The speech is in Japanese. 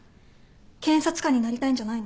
検察官になりたいんじゃないの？